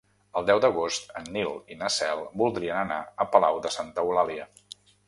El deu d'agost en Nil i na Cel voldrien anar a Palau de Santa Eulàlia.